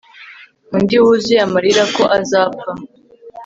undi wuzuye amarira ko azapfa